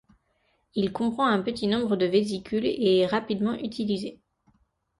Il comprend un petit nombre de vésicules et est rapidement utilisé.